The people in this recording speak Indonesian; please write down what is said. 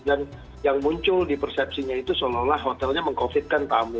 dan yang muncul di persepsinya itu seolah olah hotelnya meng covidkan tamu